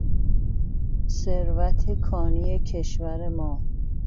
ثروت کانی کشور ما